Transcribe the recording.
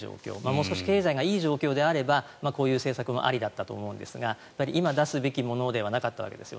もう少し経済がいい状況であればこういう政策もありだったとは思いますが今、出すべきものではなかったわけです。